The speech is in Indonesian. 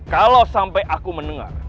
kalau sampai aku mendengar